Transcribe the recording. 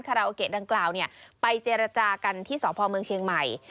คาราโอเกะดังกล่าวเนี่ยไปเจรจากันที่สองภอมเมืองเชียงใหม่